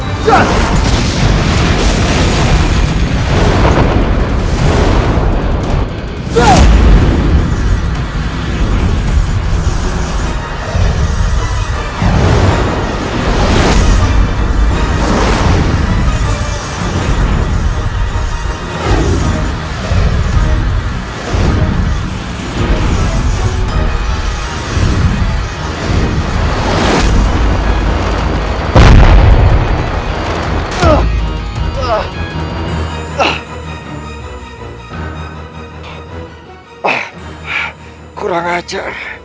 kekuatan senjata pamungkasku